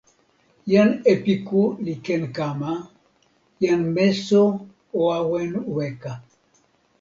jan epiku li ken kama. jan meso o awen weka.